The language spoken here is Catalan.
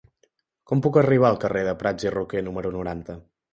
Com puc arribar al carrer de Prats i Roquer número noranta?